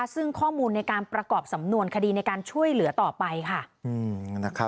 ซึ่งข้อมูลในการประกอบสำนวนคดีในการช่วยเหลือต่อไปค่ะ